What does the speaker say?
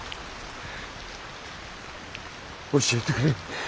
教えてくれ。